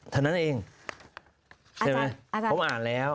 ผมอ่านแล้ว